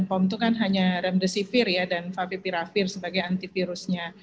pom itu kan hanya remdesivir dan favipiravir sebagai antivirusnya